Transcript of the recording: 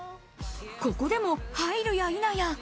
ここでも入るやいなや。